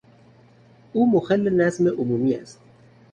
او، مخل نظم عمومی است